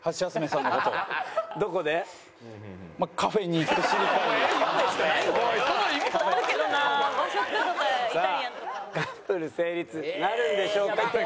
さあカップル成立なるんでしょうか？